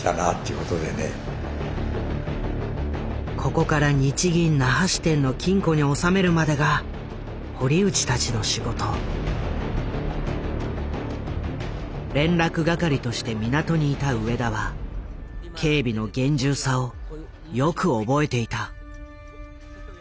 ここから日銀那覇支店の金庫に納めるまでが堀内たちの仕事。連絡係として港にいた上田は警備の厳重さをよく覚えていた。